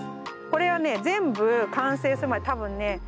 これはね全部完成するまで多分ね